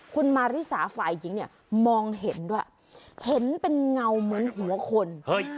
คุณมาริสาฝ่ายหญิงเนี่ยมองเห็นด้วยเห็นเป็นเงาเหมือนหัวคนเฮ้ย